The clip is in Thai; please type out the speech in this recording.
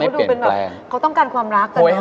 เพื่อนครับ